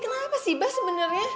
kenapa sih mbak sebenarnya